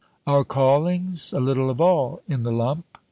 Our callings? A little of all in the lump.